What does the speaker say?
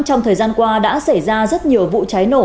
trong thời gian qua đã xảy ra rất nhiều vụ cháy nổ